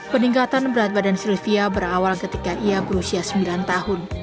peningkatan berat badan sylvia berawal ketika ia berusia sembilan tahun